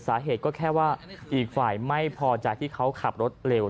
สาเหตุก็แค่ว่าอีกฝ่ายไม่พอใจที่เขาขับรถเร็ว